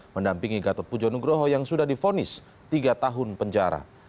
mendampingi gatot pujo nugroho yang sudah difonis tiga tahun penjara